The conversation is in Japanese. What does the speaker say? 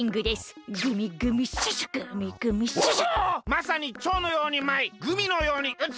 まさにちょうのようにまいグミのようにうつ！